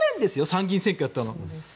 参議院選挙やったの。